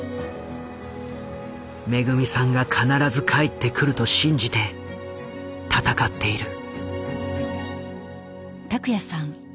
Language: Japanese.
めぐみさんが必ず帰ってくると信じて闘っている。